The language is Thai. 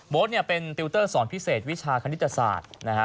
โบสต์เป็นติวเตอร์สอนพิเศษวิชาคณิตศาสตร์